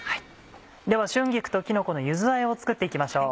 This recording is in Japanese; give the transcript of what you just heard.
では春菊ときのこの柚子あえを作って行きましょう。